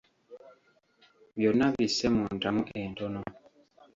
Byonna bisse mu ntamu entono.